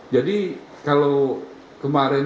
jadi kalau kemarin